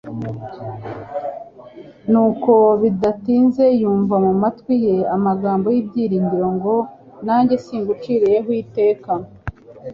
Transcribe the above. nuko bidatinze yumva mu matwi ye amagambo y'ibyiringiro ngo : "Nanjye singuciriyeho iteka,